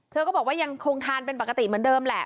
เธอก็บอกว่ายังคงทานเป็นปกติเหมือนเดิมแหละ